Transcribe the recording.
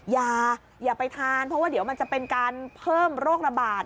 อย่าไปทานเพราะว่าเดี๋ยวมันจะเป็นการเพิ่มโรคระบาด